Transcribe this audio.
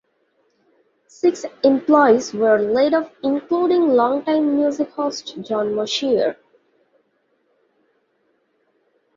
Six employees were laid off including long-time music host Jon Moshier.